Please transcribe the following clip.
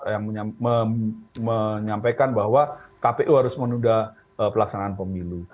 yang menyampaikan bahwa kpu harus menunda pelaksanaan pemilu